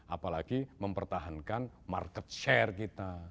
apalagi mempertahankan market share kita